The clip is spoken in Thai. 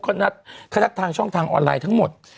เขานัดเขานัดทางช่องทางออนไลน์ทั้งหมด